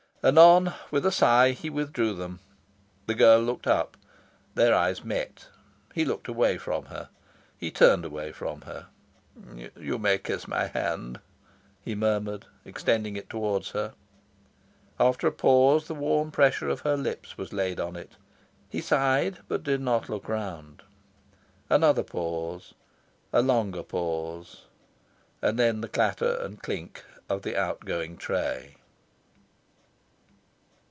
Anon, with a sigh, he withdrew them. The girl looked up. Their eyes met. He looked away from her. He turned away from her. "You may kiss my hand," he murmured, extending it towards her. After a pause, the warm pressure of her lips was laid on it. He sighed, but did not look round. Another pause, a longer pause, and then the clatter and clink of the outgoing tray.